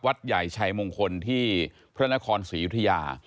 ใหญ่ชัยมงคลที่พระนครศรียุธยา